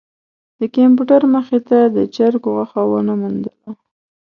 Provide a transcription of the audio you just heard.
د کمپیوټر مخې ته د چرک غوښه ونه موندله.